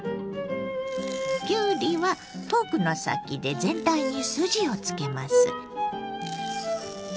きゅうりはフォークの先で全体に筋をつけます。